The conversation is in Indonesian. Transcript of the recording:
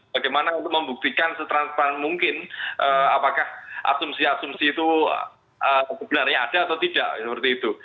bagaimana untuk membuktikan setransparan mungkin apakah asumsi asumsi itu sebenarnya ada atau tidak seperti itu